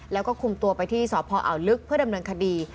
แล้วก็คุมตัวไปที่สพอ่าวลึกเพื่อดำเนินคดี